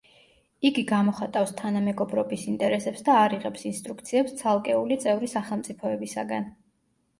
იგი გამოხატავს თანამეგობრობის ინტერესებს და არ იღებს ინსტრუქციებს ცალკეული წევრი სახელმწიფოებისაგან.